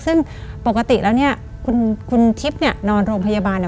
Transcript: ซึ่งปกติแล้วเนี่ยคุณทิพย์เนี่ยนอนโรงพยาบาลเนี่ย